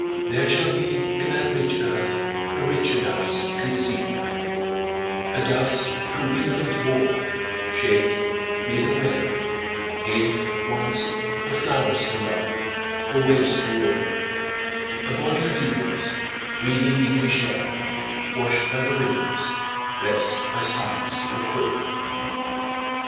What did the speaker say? There shall be In that rich earth a richer dust concealed; A dust whom England bore, shaped, made aware, Gave, once, her flowers to love, her ways to roam, A body of England's, breathing English air, Washed by the rivers, blest by suns of home.